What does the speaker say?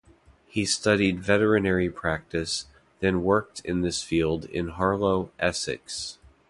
He studied veterinary practice, then worked in this field in Harlow, Essex.